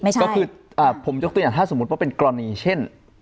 ก็คือผมยกตัวอย่างถ้าสมมุติว่าเป็นกรณีเช่น